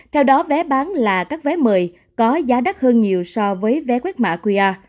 theo đó vé bán là các vé mời có giá đắt hơn nhiều so với vé quét mạ qia